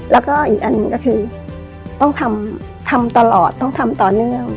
แล้วก็อีกอันหนึ่งก็คือต้องทำตลอดต้องทำต่อเนื่อง